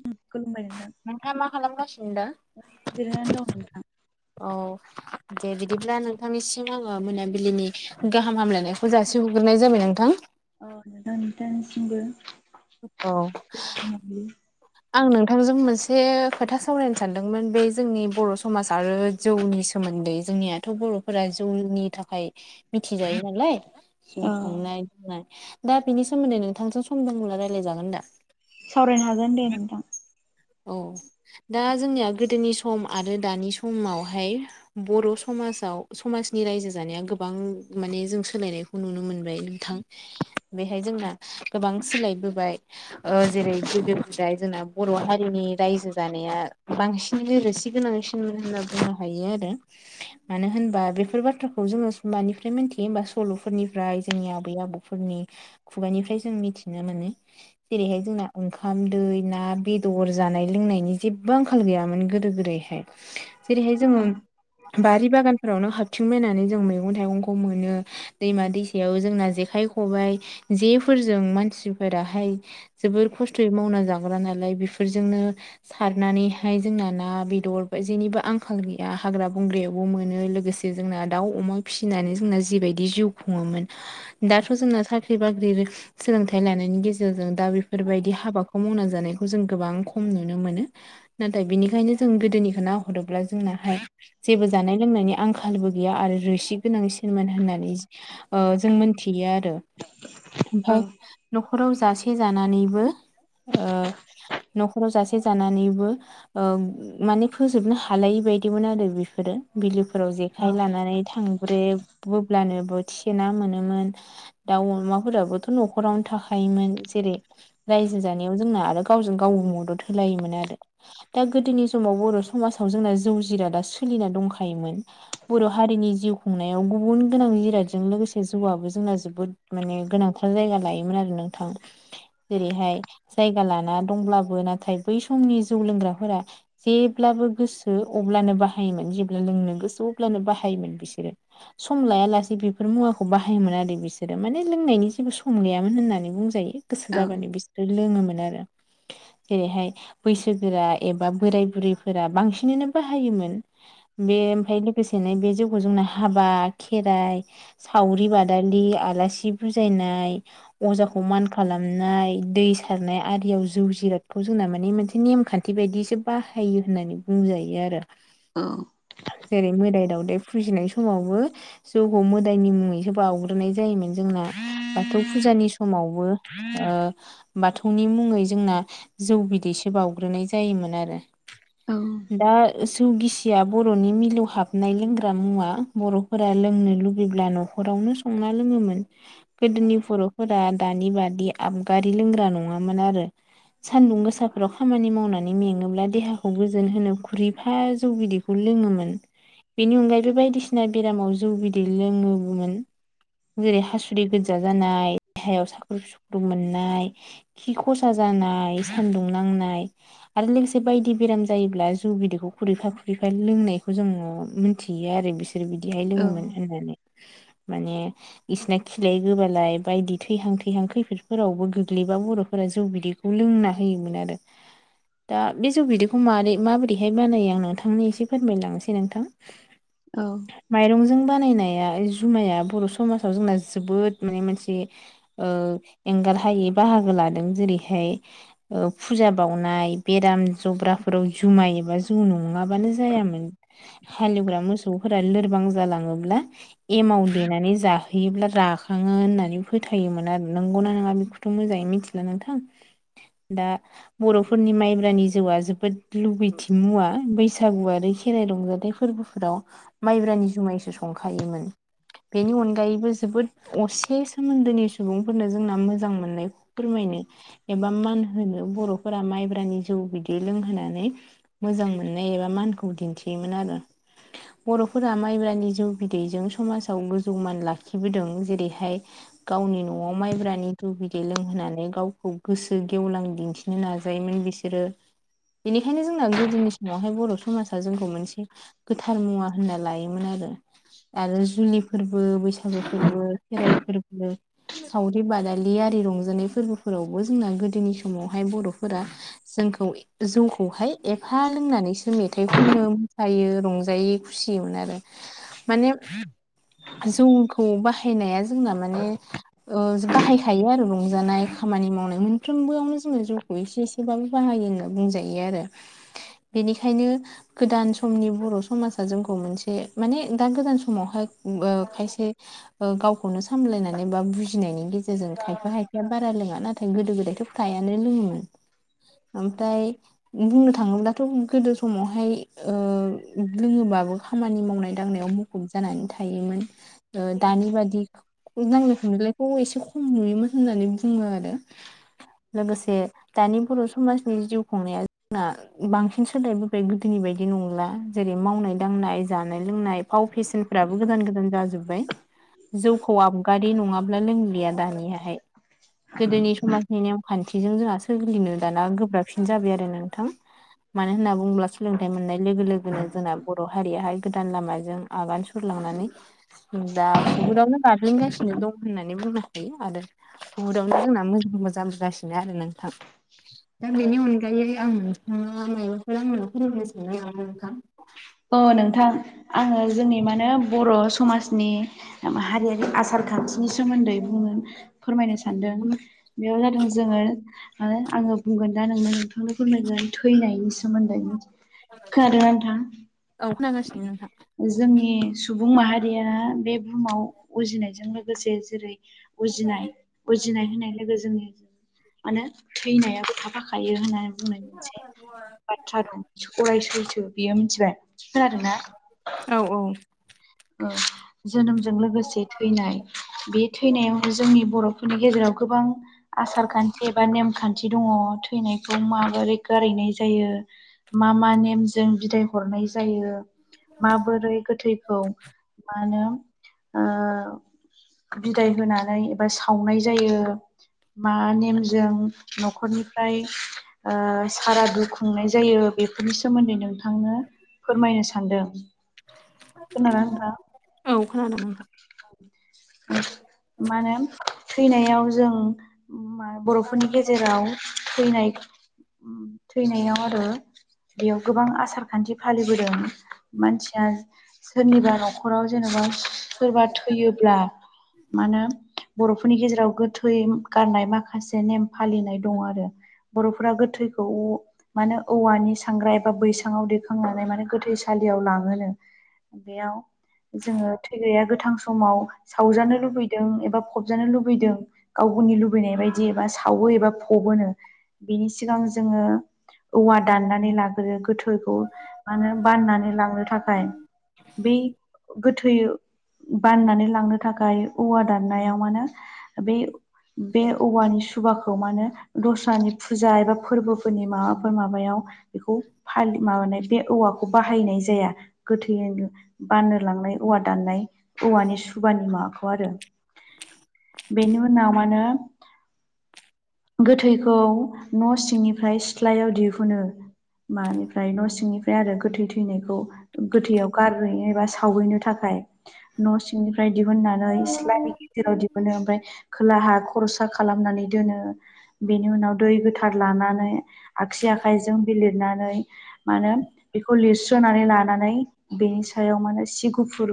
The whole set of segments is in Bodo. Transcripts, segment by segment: उम खुलुमबाय नोंथां। नोंथाङा मा खालामगासिनो दा? ओरैनो जिरायनानै दं नोंथां। औ दे बिदिब्ला नोंथांनिसिम आङो मोनाबिलिनि गाहाम हामलायनायखौ जासिहग्रोनाय जाबाय नोंथां। औ नोंथां नोंथांनिसिमबो। औ आं नोंथांजों मोनसे खोथा सावरायनो सानदोंमोन। बे जोंनि बर' समाज आरो जौनि सोमोन्दै जोंनियाथ' बर'फोरा जौनि थाखाय मि थिजायो नालाय जौ औ संनाय रुनाय दा बिनि सोमोन्दै नोंथांजों सम दंब्ला रायज्लाय जागोन दा? सावरायनो हागोन दे नोंथां। औ दा जोंनिया गोदोनि सम आरो दानि समावहाय बर' समाज साव समाजनि रायजो जानाया गोबां माने जों सोलायनायखौ नुनो मोनबाय नोंथां। बेहाय जोंना गोबां सिलायबोबाय ओ जेरै गिदिर ओमफ्राय जोंना बर' हारिनि रायजो जानाया बांसिनानो रोसि गोनांसिन होनना बुंनो हाय यो आरो मानो होनबा बेफोर बाथ्राखौ जोङो मानिफ्राय मिथियो होनबा सल'फोरनिफ्राय जोंनि आबै आबौफोरनि खुगानिफ्राय जों मिथिनो मोनो। जेरैहाय जोंना ओंखा हामदै ना बेदर जानाय लोंनायनि जेबो आंखाल गैयामोन गोदो गोदायहाय जेरैहाय जोङो औ बारि बागानफोरावनो हाबथिंबायनानै जों मै मैगं थाइगंखौ मोनो दैमा दैसायाव जोंना जेखाइ खबाइ जेफोरजों मानसि फोराहाय जोबोर खस्थ ख्रि मावना जाग्रा नालाय बेफोरजोंनो सारनानैहाय जोंना ना बेदर जेनिबो आंखाल गैया हाग्रा बंग्रायावबो मोनो लोगोसे जोंना दाउ अमा फिसिनानै जोंना जिबायदि जिउ खुङोमोन दाथ' जोंना साख्रि बाख्रि रो सोलोंथाइ लानायनि गेजेरजो जों दा बेफोरबायदि हाबाखौ मावनानै जानायखौ जों गोबां खम नुनो मोनो नाथाय बिनि बेनिखायनो जों गोदोनिखौ नाहरोब्ला जोंनाहाय जेबो जानाय लोंनायनि आं आंखालबो गैया आरो रोसि गोनां सिमोन होननानै जों मोनथियो आरो ओमफाय न'खराव जासे जानानै ओ न'खराव जासे जानानैबो ओ माने फोजोबनो हा हालायै बायदिमोन आरो बेफोरो बिलोफोराव जेखाइ लानानै थांब्रे बोब्लानो बोथिसे ना मोनोमोन दाउ अमाफोराबोथ' न'खरावनो थाखायोमोन जेरै मानायाव जोना आरो गावजों गावबो मदद होलायोमोन आरो दा गोदोनि समाव बर' समाजाव जोंना जौ जिरादा सोलिनाय दंखायोमोन बर हारिनि जिउ खुंनाय गुबुन गोनां लिरादजों लोगोसे जौआबो जोंना जोबोद माने गोनांथार जायगा लायोमोन आरो नोंथां जेरैहाय जायगा लाना दंब्लाबो नाथाय बै समनि जौ लोंग्राफोरा जेब्लाबो गोसो अब्लानो बाहायोमोन जेब्ला लोंनो गोसो अब्ला बाहायोमोन बिसोरो सम लाया लासे बिफोर मुवाखौ खौ बाहायोमोन आरो बिसोरो माने लोंनायनि जेबो सम गैयामोन होननानै बुंजायो गोसो जाबानो बिसोर लोङोमोन आरो जेरैहाय बैसोगोरा एबा ब बोराय बुरैफोरा बांसिनैनो बाहायोमोन बे ओमफ्राय लोगोसेनो बे जिउखौ जोंना हाबा खेराइ सावरि बादालि आलासि बुजायनाय अजाखौ मान खालामनाय दै सारनाय आरियाव ज जौ जिरादखौ जोंना माने मोनसे नेमखान्थि बायदिसो बाहायो होननानै बुंजायो आरो जेरै मोदाय दावदै फुजिनाय समावबो जौखौ मोदायनि मुङैसो बावग्रोनाय जायोमोन। जोंना बाथौ फुजानि समावबो ओ, बाथौनि मुङै जोंना जौ बिदैसो बावउग्रोनाय जायोमोन आरो। औ। दा जौ गिसिया बर'नि मिलौ हाबनाय लोंग्रा मुवा बर'फोरा लोंनो लुगै अब्ला न'खरावनो संना लोङोमोन गोदोनि बर' फोरा दानि बादि आबगारि लोंग्रा नङामोन आरो सान्दुं गोसाफोराव खामानि मावनानै मेङोब्ला देहाखौ गोजोन होनो खुरै -फा जौ बिदैखौ लोङोमोन बेनि अनगायैबो बायदिसिना बेरामाव जौ बिदै लोङोमोन जेरै हासुुदै गोजा जानाय हायाव सा उसु-खुथु मोननाय खि खसा जानाय सान्दुं नांनाय आरो लोगोसे बायदि बेराम जायोब्ला जु बिदोखौ खुरैफा खुरैफा लोंनायखौ जोङो मोनथियो आरो बिसोरो बिदिहाय लोङोमोन होननानै माने बिसिना खिलाय गोबालाय बायदि थैहां थैहां खैफोदफोरावबो गो बिलिबा बर'फोरा जौ बिदैखौ लोंना होयोमोन आरो दा बे जौ बिदैखौ मारै माबोरैहाय बानायो आं नोंथांनो एसे फोरमायलांनोसै नोंथां। माइरंजों बानायनाया जुमाया बर' समाजाव जोंना जोबोद माने मोनसे एंगार हायै बाहागो लादों जेरैहाय ओ फुजा बाउनाय बेराम जब्राब जुमाय एबा जौ नङाबानो जायामोन हालोवग्रा मोसौ लोरबां जालाङोब्ला एमाव देनानै जाहो हैैयोब्ला जाखाङो होननानै फोथायोमोन आरो नंगौना नङा बेखौ थ' मोजाङै मिथिला नोंथां दा बर'फोरनि माइब्रानि जौआ जोबोद लुबैथि मुवा बैसागु आरो खेराइ रंजाथाइ फोर गुफुराव माइब्रानि जुमायसो संखायोमोन। बेनि अनगायैबो जोबोद असे सोमोन्दोनि सुबुंफोरनो जोंना मोजां मोननायखौ फोरमायनो एबा मान होनो बर'फोरा माइब्रानि जौ बिदै लोंहोनानै मोजां मोननाय एबा मान खौ दिन्थियोमोन आरो। बर'फोरा माइब्रानि जौ बिदैजों समाजाव गोजौ मान लाखिबोदों जेरैहाय गावनि न'आव माइब्रानि जौ बिदै लोंहोनानै गावखौ गोसो गेवलां दिन्थिनो नाजायोमोन बिसोरो बेनिखायनो जोंना गोदोनि समावहाय बर' समाजा जोंखौ मोनसे गोथार मुवा होनना लायोमोन आ आरो आरो जुलि फोरबो बैसागु फोरबो खेराइ फोर [unintelligible] सावरि बादालि आरि रंजानाय फोरबोफोरावबो जोंना गोदोनि समाव फाय बर'फोरा जोंखौ जौखौहाय एफा लोंनानैसो मेथाइ खननो [unintelligible] यो रंजायै खुसिमोन आरो माने जौखौ बाहायनाया जोंना माने ओ बाहाय रंजानाय खामानि मावनाय मोनफ्रोमबोयावनो जोङो जौखौनो एसे एसे बाबो बाहायो होन्ना बुंजायो आरो। बेनिखायनो गोदान समनि बर' समाजा जोंखौ मोनसे माने दा गोदान समावहाय [unintelligible] खायसे गावखौनो सामलायनानै बा बुजिनायनि गेजे जों खायफा खायफाया बारा लोङा ना थोंगो दोगो दायथ' फ्रायानो लोङोमोन ओमफ्राय बुंनो थाङोब्लाथ' गोदो समावहाय ओ लोङोबाबो खामानि मावनाय दांनायाव मुखुब जानानै थायोमोन। ओ दानि बादि नांज्लाय खमज्लायखौ एसे खम नुयोमोन होननानै बुङो आरो लोगोसे दानि बर' समाज नि जिउ खुंनाया जोंना बांसिन सोलाय बोबाय गोदोनि बायदि नंला‌। जेरै मावनाय दांनाय जानाय लोंनाय फाव फेसेनफ्राबो गोदान गोदान जाजोब बाय जौखौ आबगारि नङाब्ला लोंलिया दानियाहाय। गोदोनि समाजनि नेम खान्थिजों जोंहा सोलिनो दाना गोब्राबसिन जाबाय आरो नोंथां। मानो होनना बुङोब्ला सोलोंथाइ मोननाय लोगो लोगोनो जोंना बर' हारियाहाय गोदान लामाजों आगान सुर लांनानै दा बुहुदावनो बाग्लिनगासिनो दं होननानै बुनो हायो आरो बुहुदावनो जोंना मोजां मोजां [unintelligible] सिनो आरो नोंथां दा बेनि अनगायै आं नोंथांनाव मायबाफोर [unintelligible] औ अ नोंथां आङो जोंनि माने बर' समाजनि हारियारि आसार खान्थिनि सोमोन्दै बुंनो फोरमायनो सान सानदों बेयाव जादों जोङो आङो बुंगोन दा नोंनो नोंथांनो फोरमायगोन थैनायनि सोमोन्दै खोनादों नोंथां? खोनागासिनो नोंथां जोंनि सुबुं माहारिया बे बुहुमाव उजिनायजों लोगोसे जेरै उजिनाय उजिनाय होननाय लोगो जोंनि मा नो थैनायाबो थाफाखायो होननानै बुंनाय मोनसे बाथ्रा दं अराय सैथो बियो मिथिबाय। खोनादोंना? औ औ जोनोमजों लोगोसे थैनाय बे थैनायाव जोंनि बर' बेनि गेजेराव गोबां आसार खान्थि एबा नेमखान्थि थि दङ' थैनायखौ माबोरै गारहैनाय जायो। मा मा नेमजों बिदाय हरनाय जायो माबोरै गोथैखौ मा होनो ओ बिदाय होनानै एबा सावनाय जायो। मा नेमजों न'खरनिफ्राय ओ सारादु खुंनाय जायो बेफोरनि सोमोन्दै नोंथांनो फोरमायनो सानदों। [inaudible] खोनादोंना [unintelligible] नोंथां औ खोनादों नोंथां। मा होनो थैनायाव जों मा बर'फोरनि गेजेराव थैनाय थैनायाव आरो बेयाव गोबां आसार खान्थि फालिबोदों मानसिया सोरनिबा न'खराव जेनेबा सोरबा थैयोब्ला मा होनो बर'फोरनि गेजेराव गोथै थै गारनाय माखासे नेम फालिनाय दङ' आरो बर'फोरा गोथैखौ माने औवानि सांग्राय एबा बैसांआव दैेखांनानै माने गोथै सालि लाङोनो बेयाव जोङो थैग्राया गोथां समाव सावजानो लुबैदों एबा फबजानो लुबैदों गाव गावनि लुबैनाय बायदि एबा सावो एबा फब बोनो बिनि सिगां जोङो औवा दाननानै लाग्रो गोथौखौ माने बाननानै लांनो थाखाय बै गोथै बाननानै लांनो थाखाय औवा दाननायाव मानो बे बे औवानि सुबाखौ माहोनो दस्रानि फुजा एबा फोरबोफोरनि माबाफोर माबायाव बेखौ फा माबानाय बे औवाखौ बाहायनाय जाया गोथैनो बाननो लांनाय औवा दाननाय औवानि सु सुबानि माबाखौ आरो बेनि उनाव माने गोथैखौ न' सिंनिफ्राय सिथ्लायाव दिहुनो मानिफ्राय न' सिंनिफ्राय आरो गोथै थैनायखौ गोथैयाव गारबोनो एबा सावहैनो थाखाय बिंनिफ्राय दिहुननानै सि्लानि गिदिराव दिहुनो ओमफ्राय खोलाहा खरसा खालामनानै दोनो बेनि उनाव दै गोथार लानानै आगसि जों बे लिरनानै मानो बेखौ लिरस्रोनानै लानानै बेनि सायाव मा सि गुफुर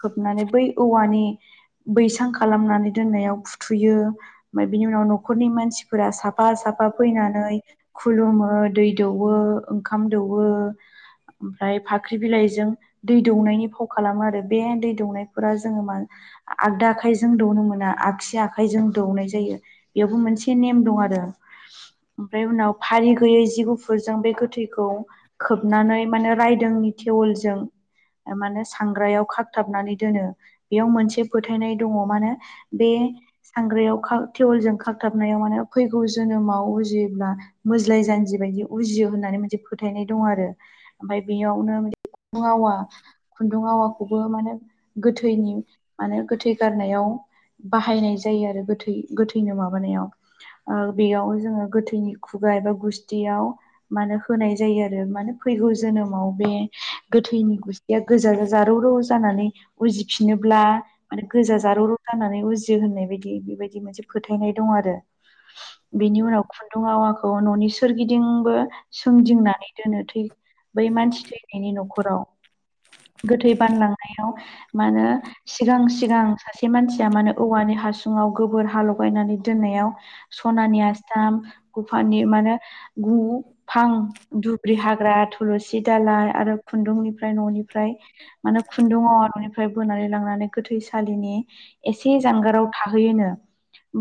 खोबनानै बै औवानि बैसां खालामनानै दोननायाव फुथुयो ओमफ्राय बिनि उनाव न'खरनि मानसिफोरा साफा साफा साफा फैनानै खुलुमो दै दौवो ओंखाम दौवो ओमफ्राय फाख्रि बिलाइजों दै दौनायनि फाव खालामो आरो बे दै दौनाय फ्रा जोङो मा आगदा आखायजों दौनो मोना आगसि आखाइजों दौनाय जायो बेयावबो मोन मोनसे नेम दं आरो ओमफ्राय उनाव फारि गैयै जि गुफुरजों बे गोथैखौ खोबनानै माने रायदों थेवलजों माने सांग्रायाव खागथाबनानै दोनो बेयाव मोनसे फोथायनाय दङ' माने बे सांग्रायाव तेवलजों खथाबनायाव माने फैगौ जोनोमाव उजियोब्ला मोज्लाय जानजि बायदि उजियो होननानै मोनसे फोथायनाय दं आरो ओमफ्राय बेयावनो खुन्दुं आवा खुन्दुं आवाखौबो मानो गोथैनि माने गोथै गारनायाव बाहायनाय जायो आरो गोथै गोथैनो माबानायाव बेयाव जोङो गोथैनि खुगा एबा गुस्थियाव मानो होनाय जायो आरो मानो फैगौ जोनोमाव बे गोथैनि गुसथिया गोजाजा रौ रौ जानानै उजिफिनोब्ला माने गोजा जारौरौ जानानै उजियो होननाय बायदि बेबायदि मोनसे फोथायनाय दं आरो बेनि उनाव खुन्दुं आवाखौ न'नि सोरगिदिंबो सोमदिंनानै दोनो थै बै मानसि थैनायनि न'खराव गोथै बानलांनायाव मानो सिगां सिगां सासे मानसिया मानो औवानि हासुङाव गोबोर हाालगायनानै दोननाय सनानि आस्थाम गुफानि मा होनो गु फां दुब्रि हाग्रा थुलसि दाालइ आरो खुन्दुंनिफ्राय न'निफ्राय मे खुन्दुं न'निफ्राय बोनानै लांनानै गोथैसालिनि एसे जानगाराव थाहैयोनो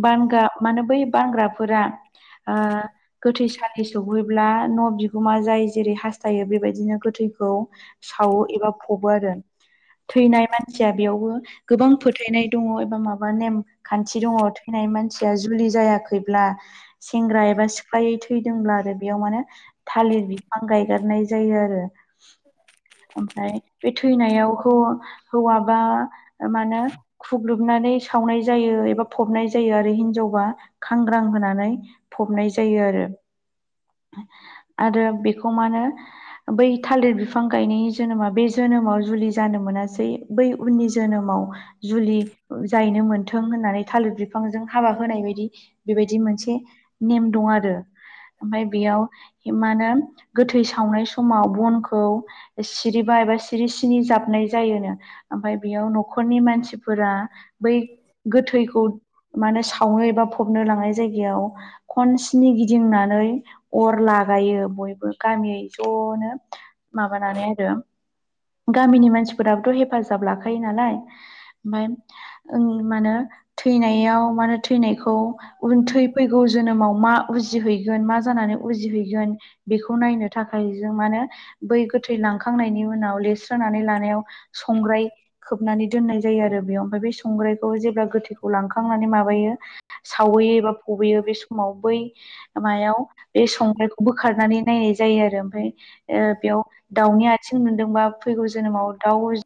बानगा माने बै बानग्राफोरा गोथै सलि सहैब्ला न' बिगुमा जाय जेरै हास्थायो बेबायदिनो गोथैखौ सावो एबा फबो आरो थैनाय मानसिया [inaudible] बेयावबो गोबां फोथायनाय दङ माबा नेम खान्थि दङ थैनाय मानसिया जुलि जायाखैब्ला सेंग्रा एबा फ्रायै थैदोंब्ला आरो बेयाव माने थालिर बिफां गायगारनाय जायो आरो ओमफ्राय बे थैनायावखौ हौवाबा मानो खुग्लुबनानै सावनाय जायो एबा फबनाय जायो आरो हिनजाव अबा खांग्रां होनानै फबनाय जायो आरो [inaudible] आरो बेखौ मा होनो बै थालिर बिफां गायनायनि जोनोमा बे जोनोमाव जुलि जानो मोनासै बै उननि जोनोमाव जुलि जायनो मोनथों होननानै थालिर बिफांजों हाबा होनाय बायदि बे बेबायदि मोनसे नेम दं आरो ओमफ्राय बेयाव मा होनो गोथै सावनाय समाव बनखौ सिरिबा एबा सिरि सिरि जाबनाय जायोनो ओमफ्राय बेयाव न'खरनि मानसिफोरा बै गोथैखौ माने सावनो बा फबनो लांनाय जायगायाव खनसेनि गिदिंनानै अर लागायो बयबो गामियै ज'नो माबानानै आरो गामिनि मानसिफोराबोथ' हेफ हेफाजाब लाखायो नालाय ओमफ्राय माहोनो थैनायाव मा थैनायखौ उन थै फैगौ जोनोमाव मा उजिहैगोन मा जानानै उजिहैगोन बेखौ नायनो थाखाय जों माहोनो बै गोथै लांखांनायनि उनाव लेस्रोनानै लानायाव संग्राय खोबनानै दोननाय जायो आरो बेयाव ओमफाय बै संग्राइखौ जेब्ला गोथैखौ लांखांनानै माबायो सावहैयो एबा फबहैयो बे स समाव बै मायाव बे संनायखौ बोखारनानै नायनाय जायो आरो ओमफ्राय बेयाव दाउनि आथिं मोनदोंबा फैगौ जोनोमाव दाउ